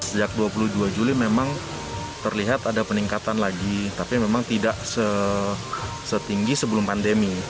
sejak dua puluh dua juli memang terlihat ada peningkatan lagi tapi memang tidak setinggi sebelum pandemi